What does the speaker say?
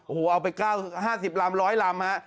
โอ้โหเอาไป๙๕๐ลำ๑๐๐ลำฮะ